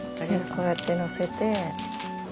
こうやってのせて。